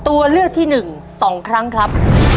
ตัวเลือกที่๑๒ครั้งครับ